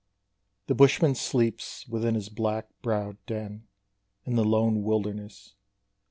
_ The Bushman sleeps within his black browed den, In the lone wilderness.